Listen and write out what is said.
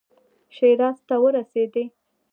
شیراز ته ورسېدی.